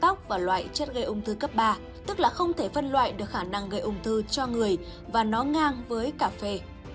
thuốc nhuộm tóc là loại chất gây ung thư cấp ba tức là không thể phân loại được khả năng gây ung thư cho người và nó ngang với cà phê